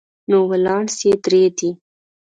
نو ولانس یې درې دی.